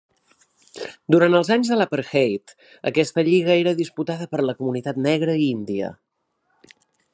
Durant els anys de l'apartheid aquesta lliga era disputada per la comunitat negra i índia.